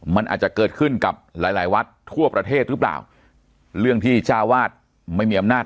มันอาจจะเกิดขึ้นกับหลายหลายวัดทั่วประเทศหรือเปล่าเรื่องที่เจ้าวาดไม่มีอำนาจ